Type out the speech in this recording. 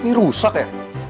ini rusak ya